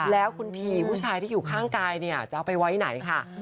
แล้วคุณพีผู้ชายที่อยู่ข้างกายเนี่ยจะเอาไปไว้ไหนค่ะ